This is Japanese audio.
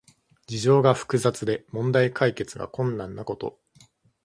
事情が複雑で問題解決が困難なこと。